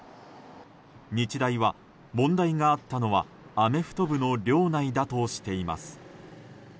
日大は、問題があったのはアメフト部の寮内だとしています。